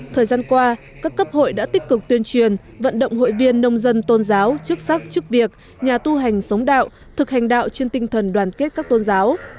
thời gian qua các cấp hội đã tích cực tuyên truyền vận động hội viên nông dân tôn giáo chức sắc chức việc nhà tu hành sống đạo thực hành đạo trên tinh thần đoàn kết các tôn giáo